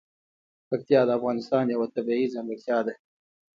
پکتیا د افغانستان یوه طبیعي ځانګړتیا ده.